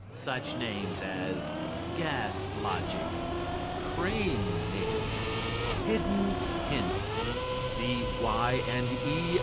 Such names as "Gas Logic," "Crane ing," "Hidden's Hints," "The Y. and E.